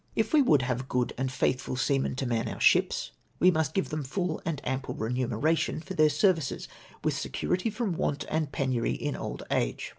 If we would have good and faitliful seamen to man our ships, we must give them full and ample remuneration for their services, urith security from ivant and penury in old arje.